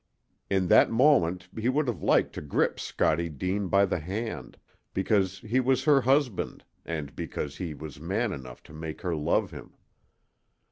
In that moment he would have liked to grip Scottie Deane by the hand, because he was her husband and because he was man enough to make her love him.